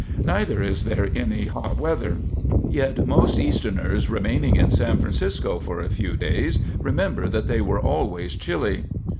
Neither is there any hot weather. Yet most Easterners remaining in San Francisco for a few days remember that they were always chilly.